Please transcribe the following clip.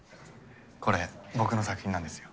これ僕の作品なんですよ。